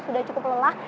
sudah cukup lelah